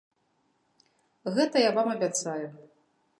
Гэта я вам абяцаю!